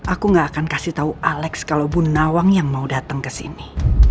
aku gak akan kasih tau alex kalau bu nawang yang mau dateng kesini